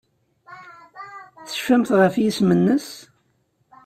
Tecfamt ɣef yisem-nnes?